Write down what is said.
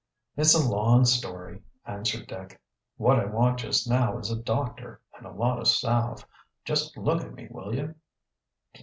"It's a long story," answered Dick. "What I want just now is a doctor and a lot of salve. Just look at me, will you?"